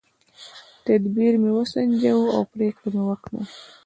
تدبیر مې وسنجاوه او پرېکړه مې وکړه.